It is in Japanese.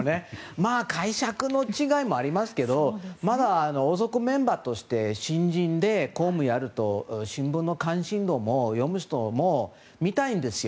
まあ解釈の違いもありますけど王族メンバーとして新人で公務をやると関心が読む人も見たいんですよ。